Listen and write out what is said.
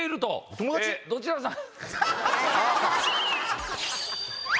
どちらさん？